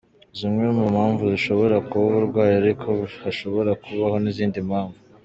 Zimwe mu mpamvu zishobora kuba uburwayi ariko hashobora kubaho n’izindi mpamvu.